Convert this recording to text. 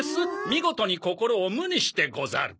見事に心を無にしてござる。